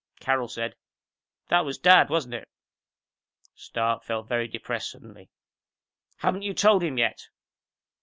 Carol said, "That was Dad, wasn't it?" Stark felt very depressed suddenly. "Haven't you told him yet?"